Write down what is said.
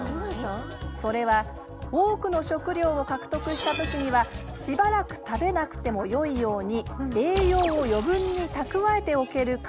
それは多くの食料を獲得した時にはしばらく食べなくてもよいように栄養を余分に蓄えておける体。